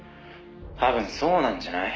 「多分そうなんじゃない？」